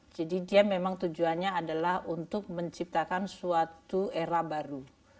jadi dia memang tujuannya adalah untuk menciptakan suatu era baru